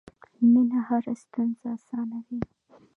مینه هره ستونزه اسانوي.